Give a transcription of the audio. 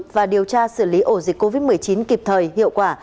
và điều tra xử lý ổ dịch covid một mươi chín kịp thời hiệu quả